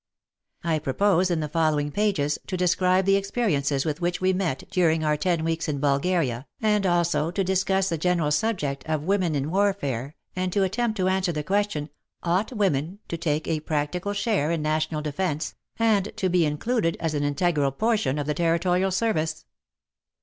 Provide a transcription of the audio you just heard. I propose in the following pages to describe the experiences with which we met during our ten weeks in Bulgaria, and also to discuss the 2. . WAR AND WOMEN general subject of *' Women in warfare," and to attempt to answer the question, Ought women to take a practical share in National Defence, and to be included as an integral portion of the Territorial Service